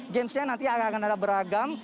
games nya nanti akan ada beragam